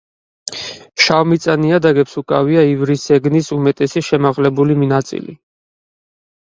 შავმიწა ნიადაგებს უკავია ივრის ზეგნის უმეტესი შემაღლებული ნაწილი.